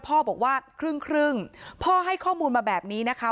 พ่อบอกว่าครึ่งพ่อให้ข้อมูลมาแบบนี้นะคะ